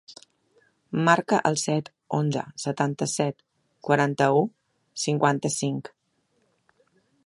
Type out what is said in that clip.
Marca el set, onze, setanta-set, quaranta-u, cinquanta-cinc.